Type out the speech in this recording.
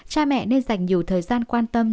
cha mẹ nên dành nhiều thời gian quan tâm